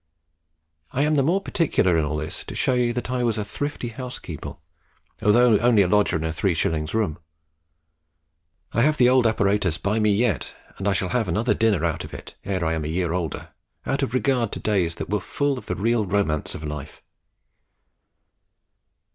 I am the more particular in all this, to show you that I was a thrifty housekeeper, although only a lodger in a 3s. room. I have the old apparatus by me yet, and I shall have another dinner out of it ere I am a year older, out of regard to days that were full of the real romance of life.